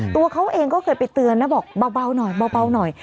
ตัวเขาเองก็เคยไปเตือนแล้วบอกเบาหน่อย